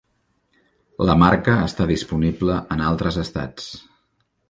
La marca està disponible en altres estats.